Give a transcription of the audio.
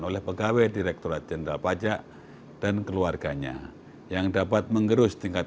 oleh pegawai direkturat jenderal pajak dan keluarganya yang dapat mengerus tingkat